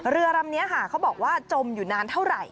เรือลำนี้ค่ะเขาบอกว่าจมอยู่นานเท่าไหร่